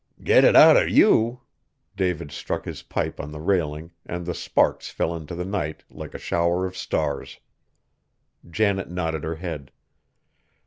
"Get it out of you!" David struck his pipe on the railing and the sparks fell into the night like a shower of stars. Janet nodded her head.